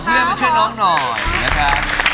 พี่หมอเพื่อนมาช่วยน้องหน่อยนะคะ